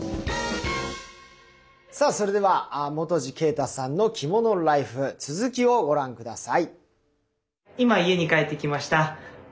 さあそれでは泉二啓太さんの着物ライフ続きをご覧下さい。